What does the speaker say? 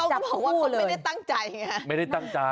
ก็บอกว่าคนไม่ได้ตั้งใจไงไม่ได้ตั้งใจ